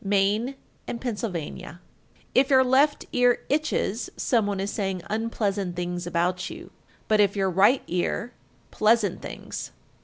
Maine and Pennsylvania. 1347. If your left ear itches, some one is saying unpleasant things about you; but if your right ear, pleasant things.